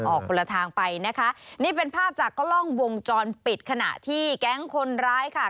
ออกคนละทางไปนะคะนี่เป็นภาพจากกล้องวงจรปิดขณะที่แก๊งคนร้ายค่ะ